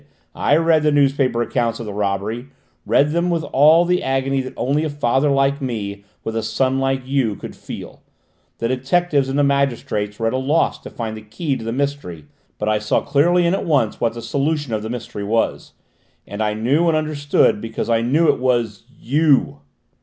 I read the newspaper accounts of the robbery, read them with all the agony that only a father like me with a son like you could feel. The detectives and the magistrates were at a loss to find the key to the mystery, but I saw clearly and at once what the solution of the mystery was. And I knew and understood because I knew it was you!"